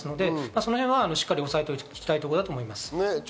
その辺はしっかり押さえておきたいところだと思います。